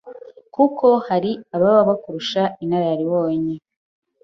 kuko hari ababa bakurusha inararibonye,